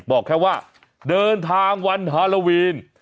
บอกแค่ว่าเดินทางวันฮาโลวีน